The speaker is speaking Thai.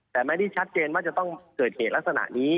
แต่ไม่ได้ชัดเจนว่าจะต้องเกิดเหตุลักษณะนี้